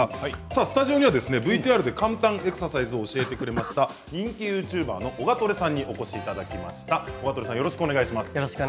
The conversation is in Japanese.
ＶＴＲで簡単エクササイズを教えてくれました人気ＹｏｕＴｕｂｅｒのオガトレさんにおいでいただきました。